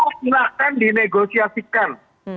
itu silahkan dinegosiasikan